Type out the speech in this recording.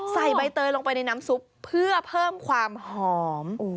ใส่ใบเตยลงไปในน้ำซุปเพื่อเพิ่มความหอม